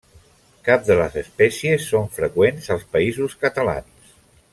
Cap de les espècies són freqüents als Països Catalans.